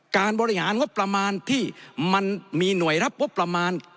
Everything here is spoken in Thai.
บริหารงบประมาณที่มันมีหน่วยรับงบประมาณ